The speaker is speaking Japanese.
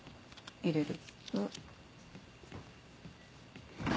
入れる。